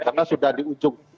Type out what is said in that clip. karena sudah di ujung